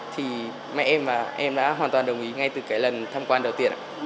thì mẹ em và em đã hoàn toàn đồng ý ngay từ lần thăm quan đầu tiên